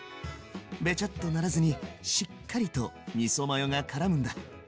ベチャッとならずにしっかりとみそマヨがからむんだ。